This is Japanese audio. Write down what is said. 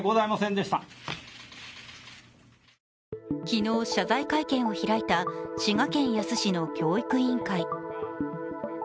昨日、謝罪会見を開いた滋賀県野洲市の教育委員会。